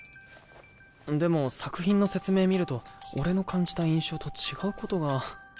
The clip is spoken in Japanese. でも作品の説明見ると俺の感じた印象と違うことが。